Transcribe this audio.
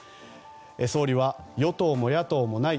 総理は、与党も野党もない。